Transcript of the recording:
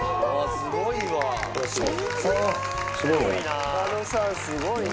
すごいね。